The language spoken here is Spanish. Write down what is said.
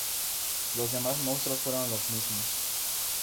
Los demás monstruos fueron los mismos.